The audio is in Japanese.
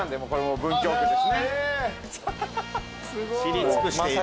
知り尽くしている。